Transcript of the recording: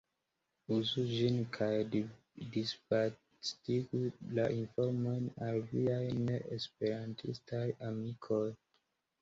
Uzu ĝin kaj disvastigu la informojn al viaj ne-esperantistaj amikoj.